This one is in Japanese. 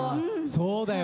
そうだよね。